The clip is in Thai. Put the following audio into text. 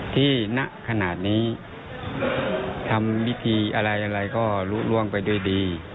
ที่ณขนาดนี้ทำวิธีอะไรก็ลุ้งไปด้วยดี